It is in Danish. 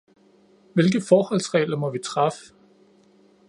Hvilke forholdsregler må vi træffe?